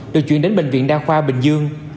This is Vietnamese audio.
được chuyển đến bệnh viện đa khoa bình dương